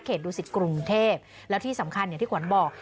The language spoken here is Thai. เขตดูสิทธิ์กรุงเทพฯแล้วที่สำคัญเนี้ยที่ขวัญบอก